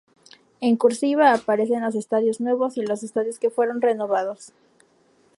En "cursiva", aparecen los estadios nuevos y los estadios que fueron renovados.